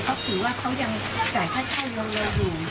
เขาถือว่าเขายังจ่ายค่าเช่าเรืออยู่